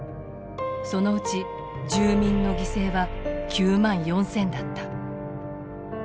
そのうち住民の犠牲は９万４，０００だった。